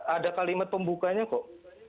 ada kalimat pembukanya kok